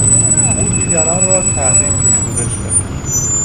او دیگران را تحریک به شورش کرد.